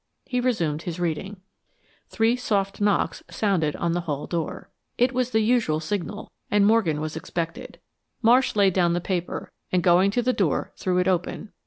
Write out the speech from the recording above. He resumed his reading. Three soft knocks sounded on the hall door. It was the usual signal, and Morgan was expected. Marsh laid down the paper, and going to the door, threw it open.